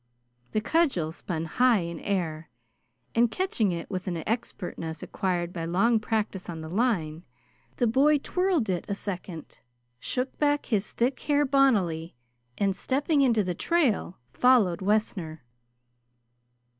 The cudgel spun high in air, and catching it with an expertness acquired by long practice on the line, the boy twirled it a second, shook back his thick hair bonnily, and stepping into the trail, followed Wessner.